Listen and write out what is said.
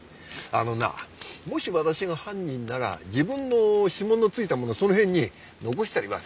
あのなもし私が犯人なら自分の指紋の付いたものをその辺に残したりはせんよ。